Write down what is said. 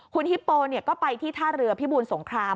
คุณฮิปโปก็ไปที่ท่าเรือพิบูรสงคราม